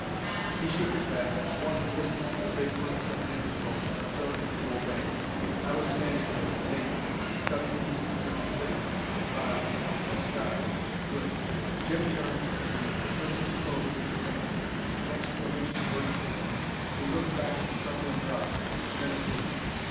He shook his head, as one who listens to the vaporings of an imbecile, but turned to obey. I was standing there naked, studying the Easterner's face, his body. No scars. Good. Jim turned to me, the prisoner's clothing in his hands. An exclamation burst from him. He looked back at the trembling Russ, then at me.